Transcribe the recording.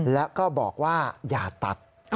แล้วก็บอกว่าอย่าตัด